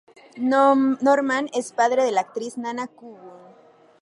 Norman es padre de la actriz Nana Coburn.